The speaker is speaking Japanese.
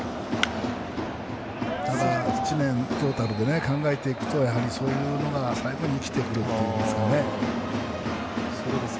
１年トータルで考えていくとそういうのが生きてくるといいますか。